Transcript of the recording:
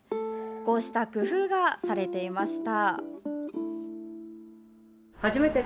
こうした工夫がされていました。